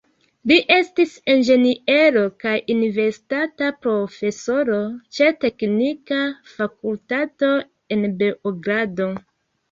Li estis inĝeniero, kaj universitata profesoro ĉe teknika fakultato en Beogrado.